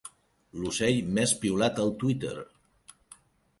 L'ocell més piulat al Twitter.